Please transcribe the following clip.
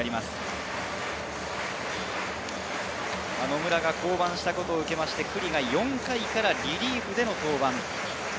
野村が降板したことを受けて九里が４回からリリーフでの登板。